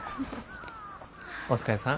お疲れさん。